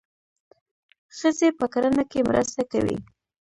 ښځې په کرنه کې مرسته کوي.